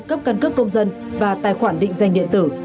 cấp căn cước công dân và tài khoản định danh điện tử